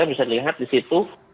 bisa dilihat di situ